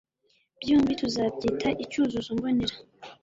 byombi tuzabyita icyuzuzo mbonera